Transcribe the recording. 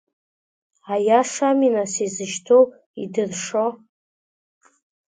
Аиашами, нас, изышьҭоу, идыршо.